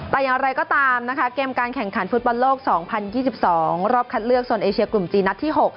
แต่อย่างไรก็ตามนะคะเกมการแข่งขันฟุตบอลโลก๒๐๒๒รอบคัดเลือกโซนเอเชียกลุ่มจีนนัดที่๖